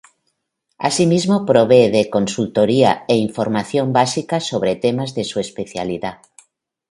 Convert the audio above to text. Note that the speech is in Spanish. Asimismo provee de consultoría e información básica sobre temas de su especialidad.